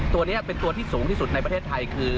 ตัวนี้เป็นตัวที่สูงที่สุดในประเทศไทยคือ